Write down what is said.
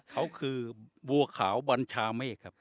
เขาคือบัวขาวบัญชาเมฆครับ